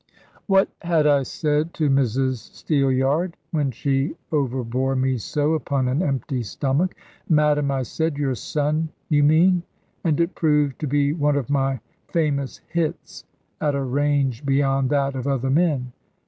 What had I said to Mrs Steelyard, when she overbore me so, upon an empty stomach? "Madam," I said, "your son, you mean!" And it proved to be one of my famous hits, at a range beyond that of other men.